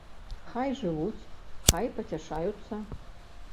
Хай жывуць, хай пацяшаюцца.